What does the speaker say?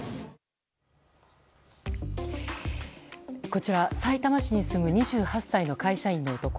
こちら、さいたま市に住む２８歳の会社員の男。